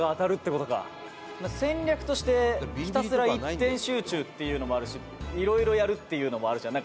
「戦略としてひたすら一点集中っていうのもあるしいろいろやるっていうのもあるじゃん」